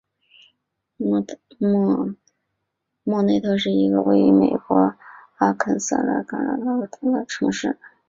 莫内特是一个位于美国阿肯色州克雷格黑德县的城市。